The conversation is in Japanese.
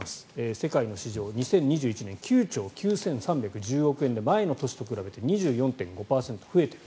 世界の市場、２０２１年９兆９３１０億円で前の年と比べて２４．５％増えている。